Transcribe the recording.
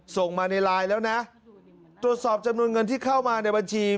ส่งมาในไลน์แล้วนะตรวจสอบจำนวนเงินที่เข้ามาในบัญชี